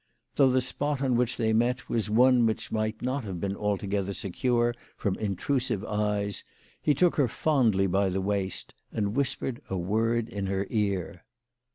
Though the spot on which they met was one which might not have been altogether secure from intrusive eyes, he took her fondly by the waist and whispered a word in her ear.